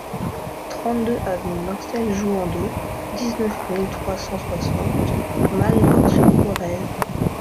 trente-deux avenue Marcel Jouhandeau, dix-neuf mille trois cent soixante Malemort-sur-Corrèze